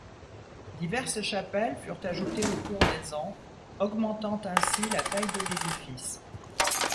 Diverses chapelles furent ajoutées au cours des ans, augmentant ainsi la taille de l'édifice.